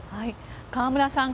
河村さん